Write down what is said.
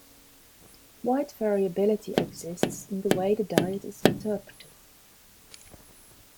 Wide variability exists in the way the diet is interpreted.